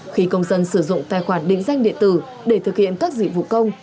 khi công dân sử dụng tài khoản định danh điện tử để thực hiện các dịch vụ công